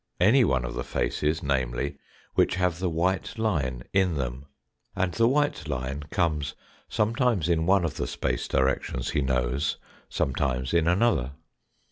any one of the faces, namely, which have the white line in them. And the white line comes sometimes in one of the space directions he knows, sometimes in another.